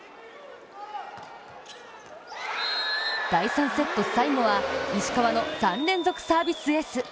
第３セット、最後は石川の３連続サービスエース。